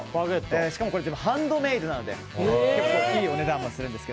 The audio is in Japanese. しかも、これハンドメイドなのでいいお値段するんです。